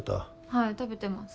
はい食べてます